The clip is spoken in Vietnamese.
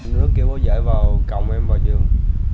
đưa vào cộng em vào giường